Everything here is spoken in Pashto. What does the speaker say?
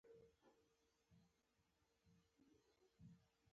بنسټپالو شورماشور سره ګډېږي.